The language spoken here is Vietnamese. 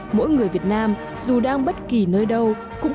mỗi người việt nam dù đang bất kỳ nơi đâu